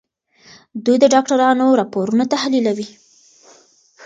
دوی د ډاکټرانو راپورونه تحليلوي.